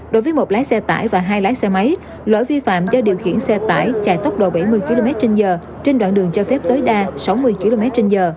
đối với một lái xe tải và hai lái xe máy lỗi vi phạm do điều khiển xe tải chạy tốc độ bảy mươi km trên giờ trên đoạn đường cho phép tối đa sáu mươi km trên giờ